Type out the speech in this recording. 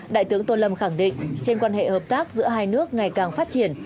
đại tướng tô lâm khẳng định trên quan hệ hợp tác giữa hai nước ngày càng phát triển